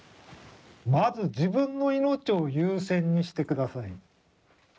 まず自分の命を優先にして下さい。